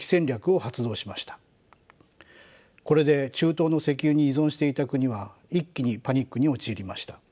これで中東の石油に依存していた国は一気にパニックに陥りました。